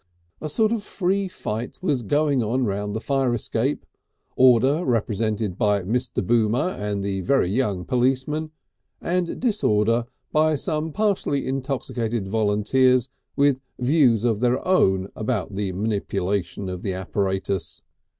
A sort of free fight was going on round the fire escape, order represented by Mr. Boomer and the very young policeman, and disorder by some partially intoxicated volunteers with views of their own about the manipulation of the apparatus.